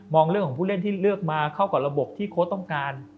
เรื่องของผู้เล่นที่เลือกมาเข้ากับระบบที่โค้ดต้องการ